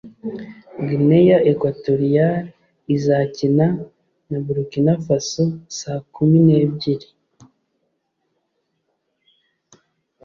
Guinea Equatorial izakina na Burkina Faso saa kumi n’ebyiri